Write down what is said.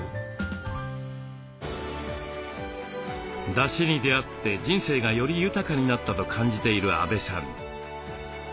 だしに出会って人生がより豊かになったと感じている阿部さん。